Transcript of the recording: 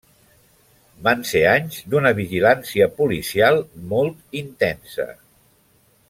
Van ser anys d'una vigilància policial molt intensa.